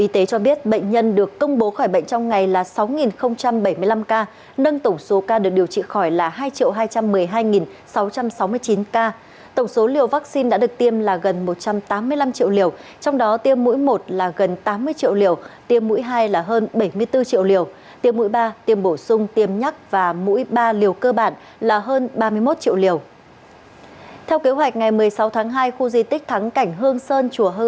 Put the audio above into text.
theo kế hoạch ngày một mươi sáu tháng hai khu di tích thắng cảnh hương sơn